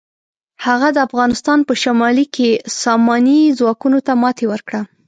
هغه د افغانستان په شمالي کې ساماني ځواکونو ته ماتې ورکړه.